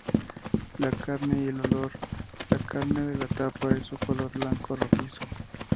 La carne y el olor: la carne de la tapa es de color blanco-rojizo.